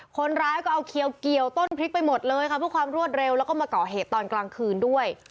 คนร้ายก็เอาเขียวเกี่ยวต้นพริกไปหมดเลยค่ะเพื่อความรวดเร็วแล้วก็มาก่อเหตุตอนกลางคืนด้วย